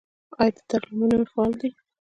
آیا دارالعلومونه فعال دي؟